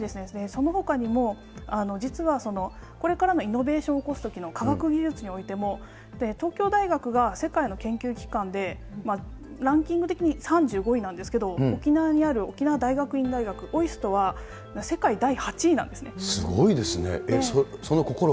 そのほかにも実はこれからのイノベーションをおこすときの科学技術においても、東京大学が世界の研究機関でランキング的に３５位なんですけど、沖縄にある沖縄大学院大学、すごいですね。